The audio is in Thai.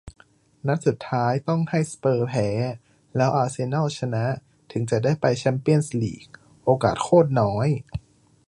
นัดสุดท้ายต้องให้สเปอร์สแพ้ แล้วอาร์เซนอลชนะ ถึงจะได้ไปแชมเปียนส์ลีก โอกาสโคตรน้อย